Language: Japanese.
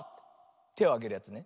てをあげるやつね。